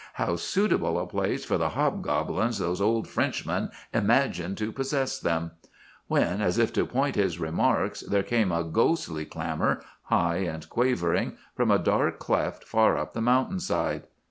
How suitable a place for the hobgoblins those old Frenchmen imagined to possess them!' when, as if to point his remarks, there came a ghostly clamor, high and quavering, from a dark cleft far up the mountain side.